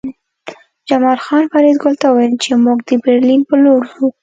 جمال خان فریدګل ته وویل چې موږ د برلین په لور ځو